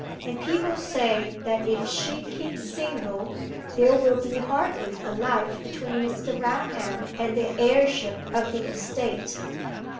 And people say that if she keeps single there will be hardly a life between Mr. Raunham and the heirship of the estate.